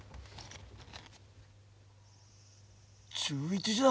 １１時だ！